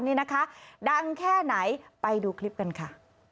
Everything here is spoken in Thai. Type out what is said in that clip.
นี่นะคะดังแค่ไหนไปดูคลิปกันค่ะ